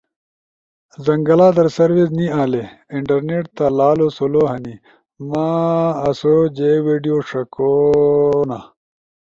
زنگلا در سروس نی آلی۔ انٹرنیٹ تا لالو سلو ہنی۔ مآسو جے ویڈیو ݜکونا،